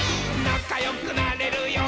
なかよくなれるよ。